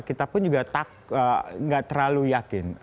kita pun juga nggak terlalu yakin